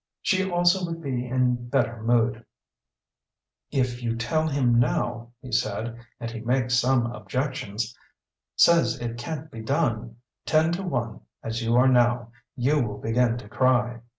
She also would be in better mood. "If you tell him now," he said, "and he makes some objections, says it can't be done ten to one, as you are now, you will begin to cry.